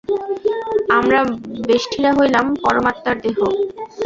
আমরা ব্যষ্টিরা হইলাম পরমাত্মার দেহ।